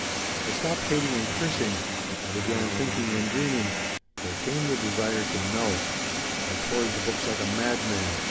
I stopped hating and cursing; I began thinking and dreaming. There came the desire to know. I tore into books like a madman.